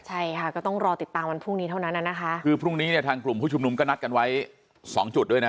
ใช่ค่ะก็ต้องรอติดตามวันพรุ่งนี้เท่านั้นอ่ะนะคะคือพรุ่งนี้เนี่ยทางกลุ่มผู้ชุมนุมก็นัดกันไว้สองจุดด้วยนะ